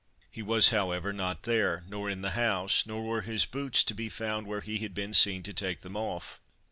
He was, however, not there nor in the house; nor were his boots to be found where he had been seen to take them off.